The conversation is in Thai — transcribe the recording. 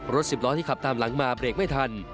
สิบล้อที่ขับตามหลังมาเบรกไม่ทัน